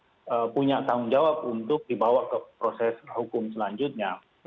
atau orang orang yang lebih punya tanggung jawab untuk dibawa ke proses hukum selanjutnya